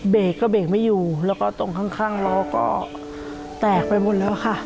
เบรกก็เบรกไม่อยู่แล้วก็ตรงข้างล้อก็แตกไปหมดแล้วค่ะ